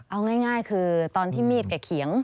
เอาง่ายคือตอนที่มีดแกเขียง